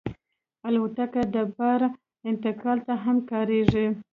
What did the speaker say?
الوتکه د بار انتقال ته هم کارېږي.